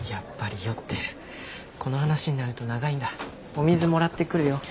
お水もらってくるよ。